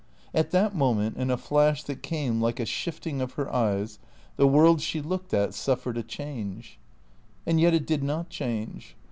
At that moment, in a flash that came like a shifting of her eyes, the world she looked at suffered a change. And yet it did not change.